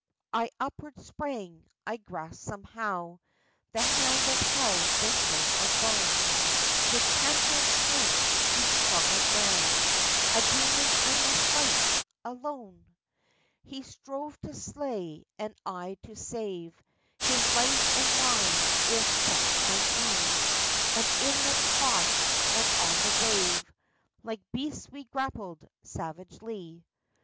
I upward sprang — I grasped somehow The hand that held the hilt of bone ; With panther strength he struggled now, A demon I must fight — alone ! THE FISHERMAN'S STORY. 23 He Strove to slay and I to save His life and mine if such might be, And in the trough and on the wave Like beasts we grappled savagely.